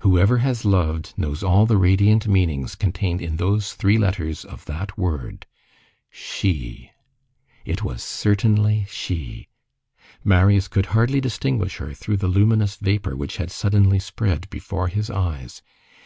Whoever has loved knows all the radiant meanings contained in those three letters of that word: She. It was certainly she. Marius could hardly distinguish her through the luminous vapor which had suddenly spread before his eyes.